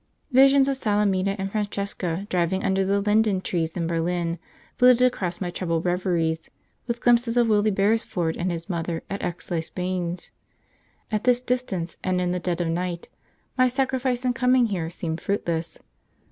Visions of Salemina and Francesca driving under the linden trees in Berlin flitted across my troubled reveries, with glimpses of Willie Beresford and his mother at Aix les Bains. At this distance, and in the dead of night, my sacrifice in coming here seemed fruitless.